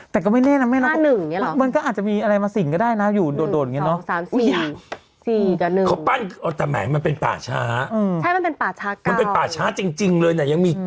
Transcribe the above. แต่ก็ไม่แน่นะแม่เนาะมันก็อาจจะมีอะไรมาสิ่งก็ได้นะอยู่โดดอย่างนี้เนาะ